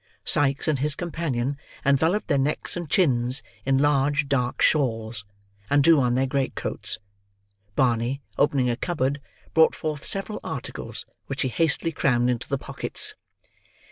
Sikes and his companion enveloped their necks and chins in large dark shawls, and drew on their great coats; Barney, opening a cupboard, brought forth several articles, which he hastily crammed into the pockets.